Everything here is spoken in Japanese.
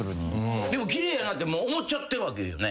でも奇麗やなってもう思っちゃってるわけよね？